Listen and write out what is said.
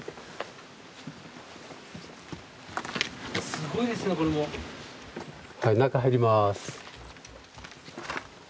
すごいですねこれも。はい中入ります。